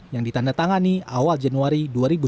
yang ditandatangani awal januari dua ribu sembilan belas